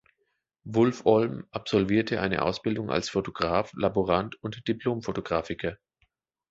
Wulf Olm absolvierte eine Ausbildung als Fotograf, Laborant und Diplom-Fotografiker.